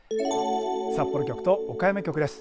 札幌局と岡山局です。